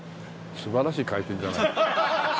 素晴らしい回転じゃない。